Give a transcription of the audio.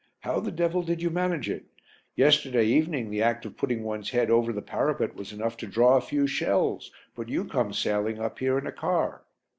How the devil did you manage it? Yesterday evening the act of putting one's head over the parapet was enough to draw a few shells; but you come sailing up here in a car."